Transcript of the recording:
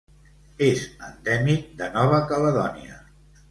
És endèmic de Nova Caledònia.